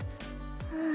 うん。